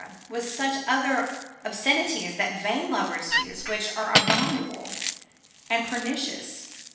with such other obscenities that vain lovers use, which are abominable and pernicious.